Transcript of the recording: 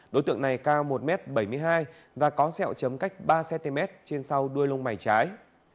đối tượng này cao một m bảy mươi hai và có sẹo chấm cách ba cm trên sau đuôi lông mày trái